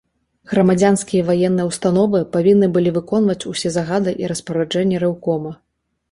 Грамадзянскія і ваенныя ўстановы павінны былі выконваць усе загады і распараджэнні рэўкома.